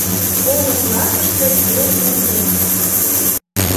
Олык лапыште эр-эрден.